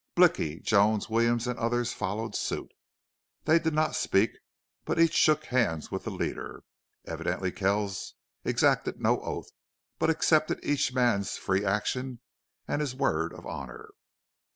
Blicky, Jones, Williams, and others followed suit. They did not speak, but each shook hands with the leader. Evidently Kells exacted no oath, but accepted each man's free action and his word of honor.